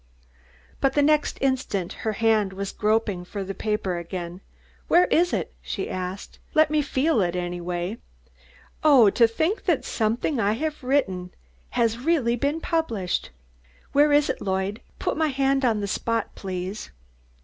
But the next instant her hand was groping for the paper again. "Where is it?" she asked. "Let me feel it, anyway. Oh, to think that something I have written has really been published! Where is it, Lloyd? Put my hand on the spot, please.